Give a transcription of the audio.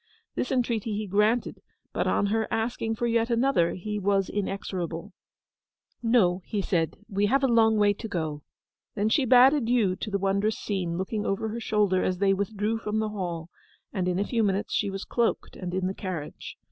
This entreaty he granted; but on her asking for yet another, he was inexorable. 'No,' he said. 'We have a long way to go.' Then she bade adieu to the wondrous scene, looking over her shoulder as they withdrew from the hall; and in a few minutes she was cloaked and in the carriage.